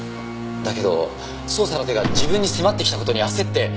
だけど捜査の手が自分に迫ってきた事に焦って。